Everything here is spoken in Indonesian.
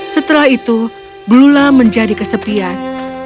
setelah itu blula menjadi kesepian